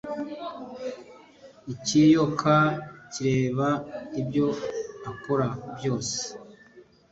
Ikiyoka kireba ibyo akora byose